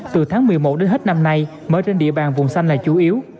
từ tháng một mươi một đến hết năm nay mở trên địa bàn vùng xanh là chủ yếu